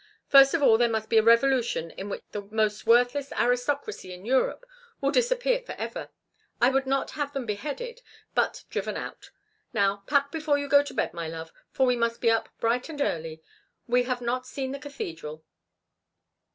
First of all there must be a revolution in which the most worthless aristocracy in Europe will disappear forever. I would not have them beheaded, but driven out. Now, pack before you go to bed, my love, for we must be up bright and early—we have not seen the cathedral.